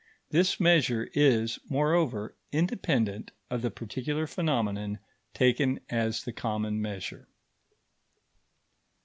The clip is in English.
This measure is, moreover, independent of the particular phenomenon taken as the common measure.